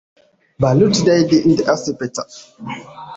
Bulut died in the hospital.